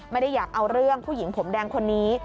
ไม่ได้อยากเอาเรื่องผู้หญิงผมแดงคนนี้